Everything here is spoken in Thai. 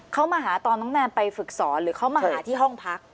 เขามาหาตอนน้องแนมไปฝึกสอนหรือเขามาหาที่ห้องพัก